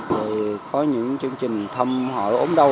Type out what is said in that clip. rồi có những chương trình thăm hỏi ốm đau